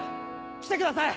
来てください！